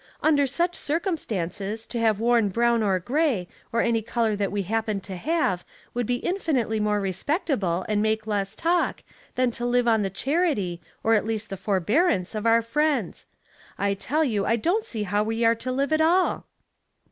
Cinder such circumstances to have worn brown or gray, or any color that we happened to have, would be infinitely more respectable, and make less talk, than to live on the charity, or at least the for bearance of our friends. I tell you I don't see how we are to live at all."